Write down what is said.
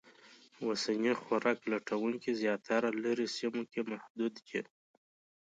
اوسني خوراک لټونکي زیاتره لرې سیمو کې محدود دي.